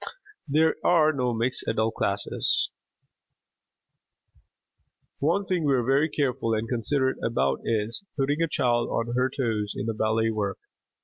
There are no mixed adult classes. One thing we are very careful and considerate about is, putting a child on her toes in the ballet work.